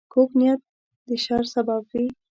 کوږ نیت د شر سبب وي